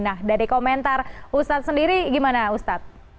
nah dari komentar ustaz sendiri gimana ustaz